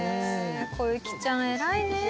こゆきちゃん偉いね。